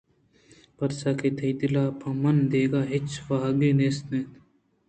پر چا کہ تئی دلءَ پہ من دگہ ہچ واہگے نیست اَنت